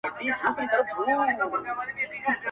څنگ ته چي زه درغــــلـم,